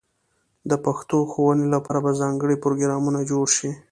د پښتو ښوونې لپاره به ځانګړې پروګرامونه جوړ شي.